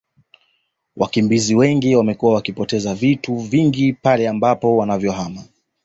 Wakimbizi wengi wamekuwa wakipoteza vitu vingi pale ambapo wanavyohama